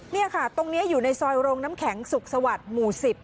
นี่ค่ะตรงนี้อยู่ในซอยโรงน้ำแข็งสุขสวัสดิ์หมู่๑๐